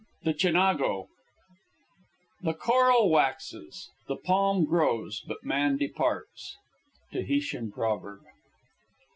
THE CHINAGO "The coral waxes, the palm grows, but man departs." Tahitian proverb.